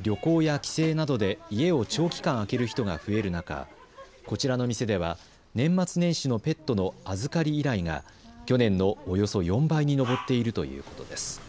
旅行や帰省などで家を長期間空ける人が増える中こちらの店では年末年始のペットの預かり依頼が去年のおよそ４倍に上っているということです。